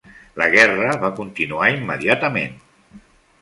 La guerra va continuar immediatament.